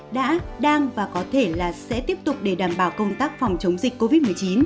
đã đang và có thể là sẽ tiếp tục để đảm bảo công tác phòng chống dịch covid một mươi chín